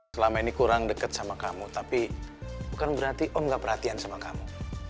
selama ini kurang dekat sama kamu tapi bukan berarti om gak perhatian sama kamu